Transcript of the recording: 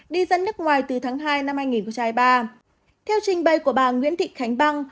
đi dẫn nước ngoài từ tháng hai năm hai nghìn hai mươi ba theo trình bày của bà nguyễn thị khánh băng